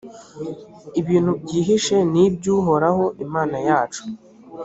ibintu byihishe ni iby’uhoraho imana yacu,